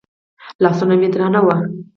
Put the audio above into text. لاسونه مې درانه وو.